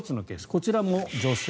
こちらも女性。